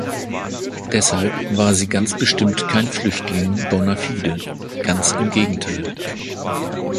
Deshalb war sie ganz bestimmt kein Flüchtling bona fide, ganz im Gegenteil.